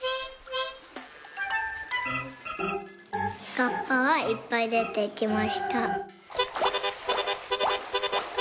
「カッパはいっぱいでてきました」。